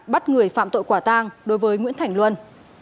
bắt người phạm tội quả tang đối với nguyễn thành luân